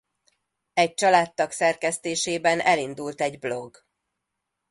Egy családtag szerkesztésében elindult egy blog.